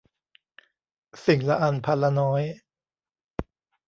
สิ่งละอันพันละน้อย